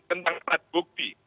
tentang alat bukti